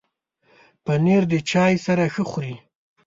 پنېر د چای سره ښه خوري.